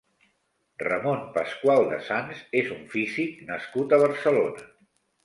Ramon Pascual de Sans és un físic nascut a Barcelona.